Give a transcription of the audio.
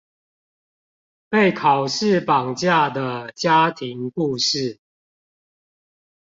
被考試綁架的家庭故事